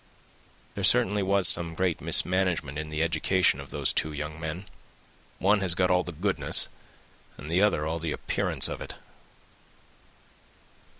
"There certainly was some great mismanagement in the education of those two young men. One has got all the goodness, and the other all the appearance of it."